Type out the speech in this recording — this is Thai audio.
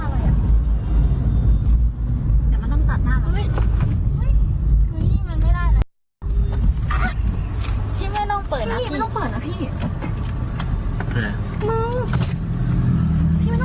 มันไม่ได้พี่ไม่ต้องเปิดนะพี่ไม่ต้องเปิดนะพี่